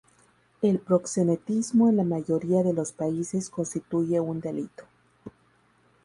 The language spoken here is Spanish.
El proxenetismo en la mayoría de los países constituye un delito.